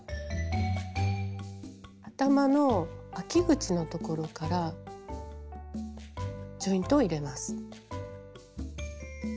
頭のあき口のところからジョイントを入れます。